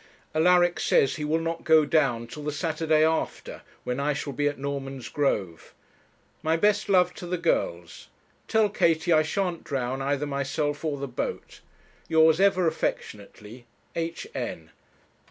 Alaric says he will not go down till the Saturday after, when I shall be at Normansgrove. My best love to the girls. Tell Katie I shan't drown either myself or the boat. 'Yours ever affectionately, 'H. N.